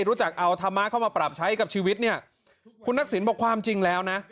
รู้จักเอาธรรมะเข้ามาปรับใช้กับชีวิตเนี่ยคุณทักษิณบอกความจริงแล้วนะ